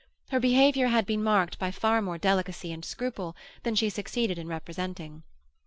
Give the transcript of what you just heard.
Her behaviour had been marked by far more delicacy and scruple than she succeeded in representing.